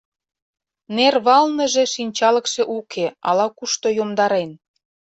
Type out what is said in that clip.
Нер валныже шинчалыкше уке, ала-кушто йомдарен.